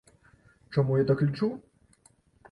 Чаму я так лічу?